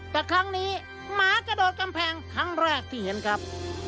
แต่ครั้งนี้หมากระโดดกำแพงครั้งแรกที่เห็นครับ